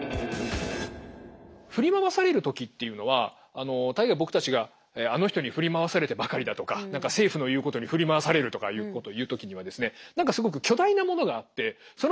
振り回される時っていうのは大概僕たちがあの人に振り回されてばかりだとか何か政府の言うことに振り回されるとかいうことを言う時にはですね